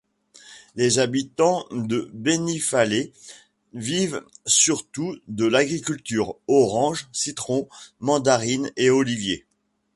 Les habitants de Benifallet vivent surtout de l'agriculture, oranges, citrons, mandarines et oliviers.